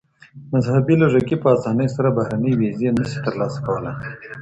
مذهبي لږکي په اسانۍ سره بهرنۍ ویزې نه سي ترلاسه کولای.